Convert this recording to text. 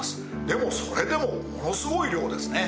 でもそれでもものすごい量ですね。